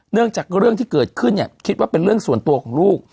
เรื่องจากเรื่องที่เกิดขึ้นเนี่ยคิดว่าเป็นเรื่องส่วนตัวของลูก